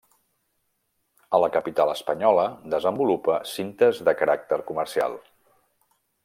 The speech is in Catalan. A la capital espanyola desenvolupa cintes de caràcter comercial.